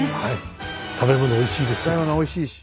食べ物おいしいですし。